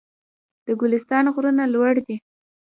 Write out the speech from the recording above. د ګلستان غرونه لوړ دي